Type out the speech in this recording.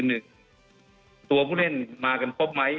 หนึ่งตัวผู้เล่นมากันครบไหม